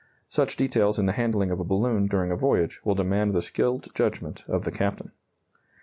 Such details in the handling of a balloon during a voyage will demand the skilled judgment of the captain.